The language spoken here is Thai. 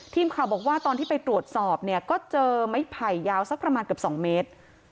ทีมข่าวบอกว่าตอนที่ไปตรวจสอบเนี่ยก็เจอไม้ไผ่ยาวสักประมาณเกือบ๒เมตร